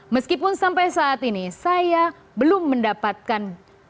meskipun sampai saat ini saya belum mendapatkan